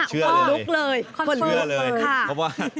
เชื่อเลยเชื่อเลยค่ะ